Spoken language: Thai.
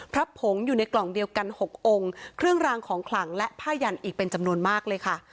พระผงอยู่ในกล่องเดียวกัน๖องค์เครื่องรางของขลังและผ้ายันอีกเป็นจำนวนมากเลยค่ะ